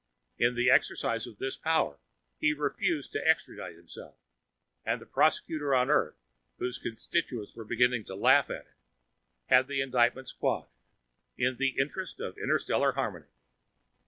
In the exercise of this power, he refused to extradite himself, and the prosecutor on Earth, whose constituents were beginning to laugh at him, had the indictments quashed "in the interest of interstellar harmony."